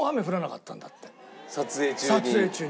撮影中に？